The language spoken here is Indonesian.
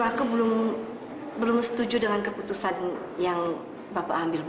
aku belum setuju dengan keputusan yang bapak ambil